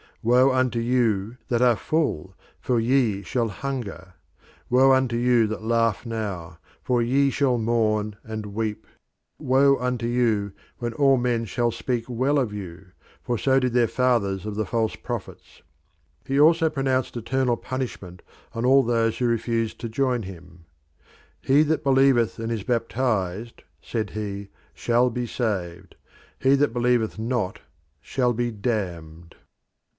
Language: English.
Woe unto you that are full, for ye shall hunger. Woe unto you that laugh now, for ye shall mourn and weep. Woe unto you when all men shall speak well of you, for so did their fathers of the false prophets." He also pronounced eternal punishment on all those who refused to join him. "He that believeth and is baptised," said he, "shall be saved. He that believeth not shall be damned."